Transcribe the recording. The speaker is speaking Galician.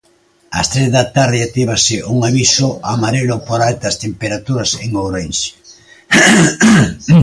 Ás tres da tarde actívase un aviso amarelo por altas temperaturas en Ourense.